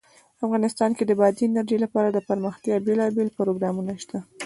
افغانستان کې د بادي انرژي لپاره دپرمختیا بېلابېل پروګرامونه شته.